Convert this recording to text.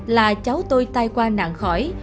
là cháu tôi tai qua nạn khỏi